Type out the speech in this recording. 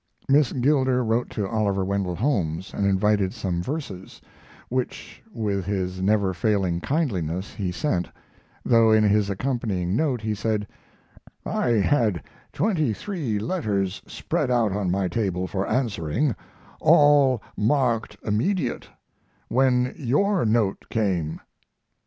Miss Gilder wrote to Oliver Wendell Holmes and invited some verses, which with his never failing kindliness he sent, though in his accompanying note he said: "I had twenty three letters spread out on my table for answering, all marked immediate, when your note came."